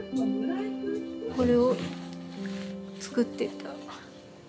これを作ってた。